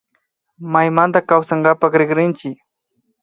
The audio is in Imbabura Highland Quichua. Maymanta kawsankapak rikrinkichi